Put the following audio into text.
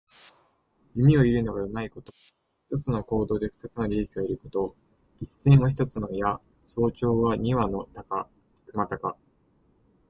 弓を射るのがうまいこと。一つの行動で二つの利益を得ること。「一箭」は一本の矢、「双雕」は二羽の鷲。くまたか。